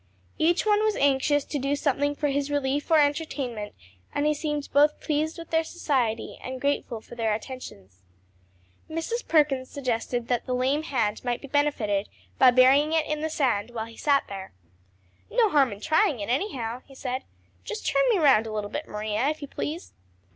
Each one was anxious to do something for his relief or entertainment, and he seemed both pleased with their society and grateful for their attentions. Mrs. Perkins suggested that the lame hand might be benefited by burying it in the sand while he sat there. "No harm in trying it, anyhow," he said. "Just turn me round a little, Maria, if you please."